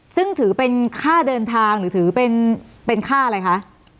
ซึ่งถือเป็นค่าเดินทางหรือถือเป็นค่าอะไรคะ